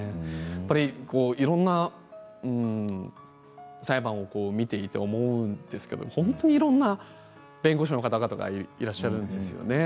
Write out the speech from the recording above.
やっぱり、いろんな裁判を見ていて思うんですけれど本当にいろんな弁護士の方々がいらっしゃるんですよね。